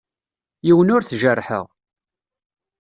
Yiwen ur t-jerrḥeɣ.